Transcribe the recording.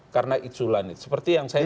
karena itulah seperti yang saya dengar